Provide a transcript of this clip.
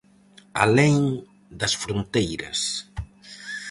"Alén das fronteiras".